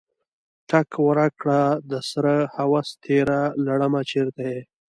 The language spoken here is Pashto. ټک ورکړه دسره هوس تیره لړمه چرته یې؟